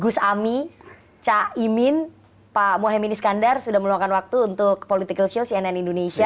gus ami caimin pak mohaimin iskandar sudah meluangkan waktu untuk political show cnn indonesia